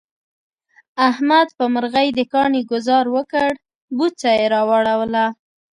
احمد په مرغی د کاڼي گذار وکړ، بوڅه یې را وړوله.